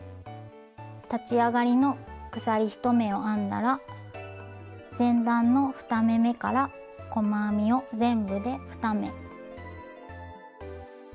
立ち上がりの鎖１目を編んだら前段の２目めから細編みを全部で２目。